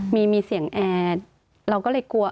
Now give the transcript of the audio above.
มีเสียงแอร์เราก็เลยกลัว